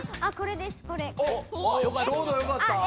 ちょうどよかった？